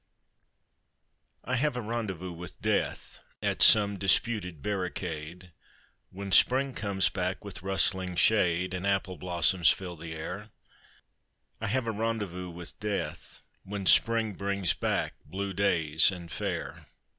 I have a rendezvous with Death At some disputed barricade, When Spring comes back with rustling shade And apple blossoms fill the air I have a rendezvous with Death When Spring brings back blue days and fair.